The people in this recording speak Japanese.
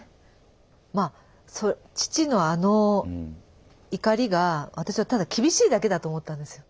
まあ父のあの怒りが私はただ厳しいだけだと思ってたんですよ。